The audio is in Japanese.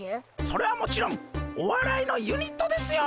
それはもちろんおわらいのユニットですよ。